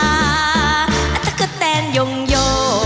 อัตตะกะแตนโยงโย